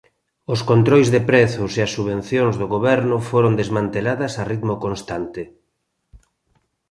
Os controis de prezos e as subvencións do goberno foron desmanteladas a ritmo constante.